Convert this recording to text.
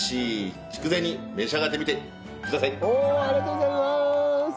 ありがとうございます。